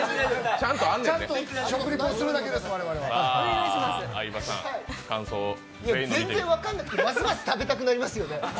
食リポするだけです、我々は全然分かんなくてますます食べたくなりますよね。